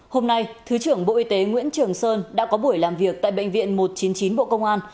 hôm nay thứ trưởng bộ y tế nguyễn trường sơn đã có buổi làm việc tại bệnh viện một trăm chín mươi chín bộ công an